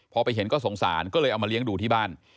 พอไปเห็นก็สงสารก็เลยเอามาเลี้ยงดูที่บ้าน